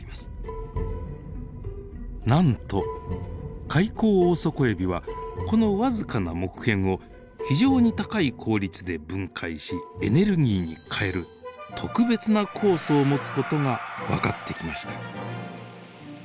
なんとカイコウオオソコエビはこの僅かな木片を非常に高い効率で分解しエネルギーに変える特別な酵素を持つ事が分かってきました。